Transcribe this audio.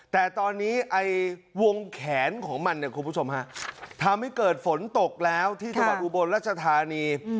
แต่ตอนนี้ไอ้วงแขนของมันเนี่ยคุณผู้ชมฮะทำให้เกิดฝนตกแล้วที่จังหวัดอุบลรัชธานี